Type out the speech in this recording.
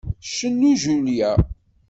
Tcennu Julia.